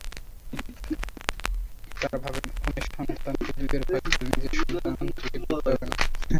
তাঁরা ভাবেন, অন্যের সন্তানকে দুধের ভাগ দিলে নিজের সন্তানটি দুধ পাবে না।